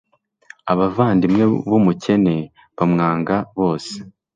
abavandimwe b'umukene bamwanga bose